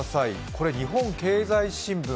これ「日本経済新聞」